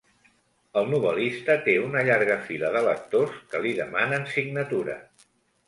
El novel·lista té una llarga fila de lectors que li demanen signatura.